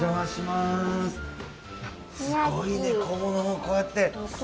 すごいね小物もこうやって。